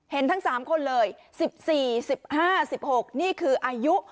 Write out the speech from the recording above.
ทั้ง๓คนเลย๑๔๑๕๑๖นี่คืออายุ